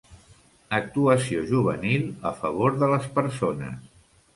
Actuació juvenil a favor de les persones.